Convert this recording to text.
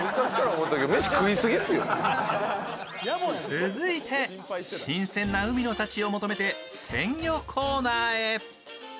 続いて、新鮮な海の幸を求めて鮮魚コーナーへ。